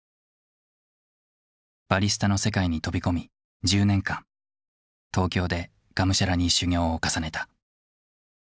バリスタの世界に飛び込み１０年間東京でがむしゃらに修業を重ねた。